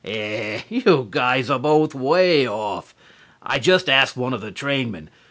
"Here, you guys are both way off. I just asked one of the trainmen.